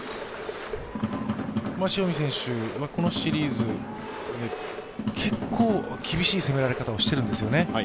塩見選手はこのシリーズ、結構厳しい攻められ方をしているんですよね。